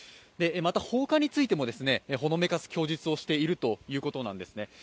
放火についても、ほのめかす供述をしているということなんですね。